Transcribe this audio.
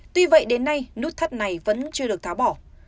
tuy vậy đến nay nút thắt này vẫn chưa được tháo bỏ